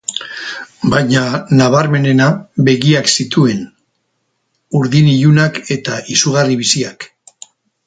Baina nabarmenena begiak zituen, urdin ilunak eta izugarri biziak.